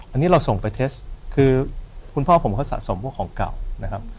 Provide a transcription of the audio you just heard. อันนี้เราส่งไปเทสคือคุณพ่อผมเขาสะสมพวกของเก่านะครับ